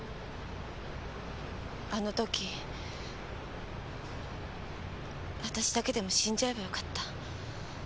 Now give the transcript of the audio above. あの時私だけでも死んじゃえばよかった。